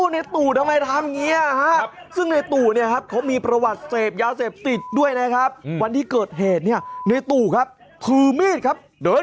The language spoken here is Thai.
ไนตูไนตูครับใช่